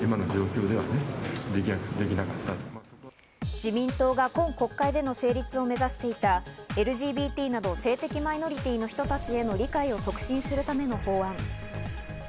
自民党が今国会での成立を目指していたＬＧＢＴなど性的マイノリティーの人たちへの理解を促進するための法案。